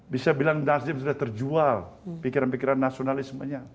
bisa bilang nasdem sudah terjual pikiran pikiran nasionalismenya